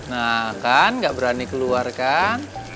nah kan gak berani keluar kan